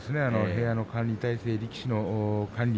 部屋の管理態勢力士の管理